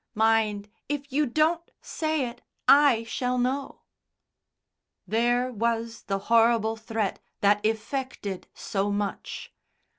Mind, if you don't say it, I shall know." There was the horrible threat that effected so much.